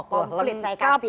komplit saya kasih